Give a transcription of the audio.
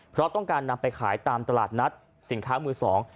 เพราะต้องการนำไปขายตามตลาดนัดสินค้ามือสอง